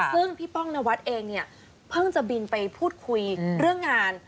ซึ่งพี่ป้องนวัดเองเนี่ยเพิ่งจะบินไปพูดคุยเรื่องงาน